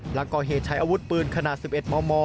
หลังก่อเหตุใช้อาวุธปืนขนาด๑๑มม